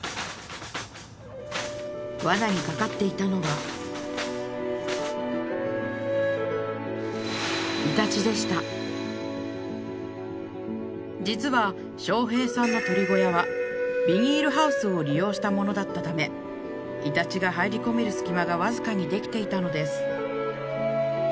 わなに掛かっていたのは実は将兵さんの鶏小屋はしたものだったためイタチが入り込める隙間がわずかにできていたのです